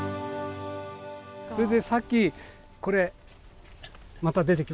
それでさっきこれ。